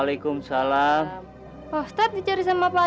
minta maaf sama mereka semua ya